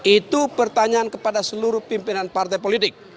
itu pertanyaan kepada seluruh pimpinan partai politik